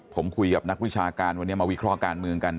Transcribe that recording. ผมคุยกับนักวิชาการวันนี้มาวิเคราะห์การเมืองกัน